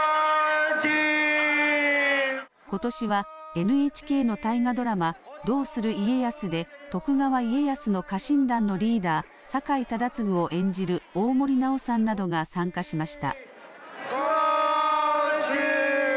ことしはＮＨＫの大河ドラマどうする家康で徳川家康の家臣団のリーダー、酒井忠次を演じる大森南朋さんなどが参加しました。